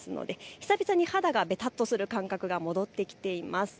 久々に肌がべたっとする感覚が戻ってきています。